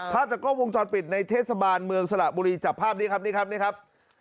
ภาพจักรวงจอดปิดในเทศบาลเมืองสระบุรีจับภาพนี้ครับนี่ครับ